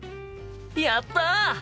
やった！